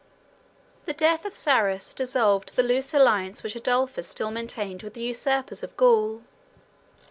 The death of Sarus dissolved the loose alliance which Adolphus still maintained with the usurpers of Gaul.